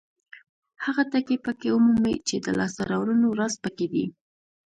هغه ټکي پکې ومومئ چې د لاسته راوړنو راز پکې دی.